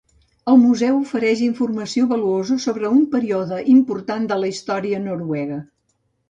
El museu ofereix informació valuosa sobre un període important de la història noruega.